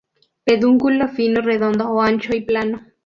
Pedúnculo fino y redondo o ancho y plano.